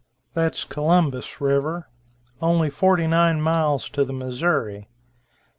That's Columbus river, only forty nine miles to the Missouri.